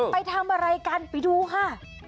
ไปทำอะไรกันไปดูค่ะ